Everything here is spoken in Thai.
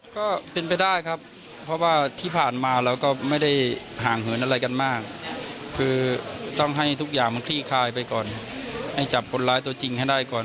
ก็เป็นไปได้ครับเพราะว่าที่ผ่านมาเราก็ไม่ได้ห่างเหินอะไรกันมากคือต้องให้ทุกอย่างมันคลี่คลายไปก่อนให้จับคนร้ายตัวจริงให้ได้ก่อน